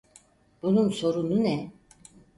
Bunun sorunu ne?